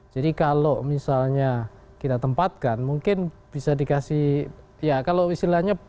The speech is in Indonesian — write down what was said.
jadi kalau misalnya kita tempatkan mungkin bisa dikasih ya kalau istilahnya